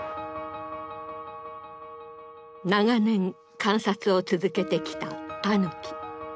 長年観察を続けてきたタヌキ。